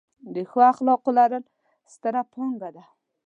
د ښو اخلاقو لرل، ستره پانګه ده.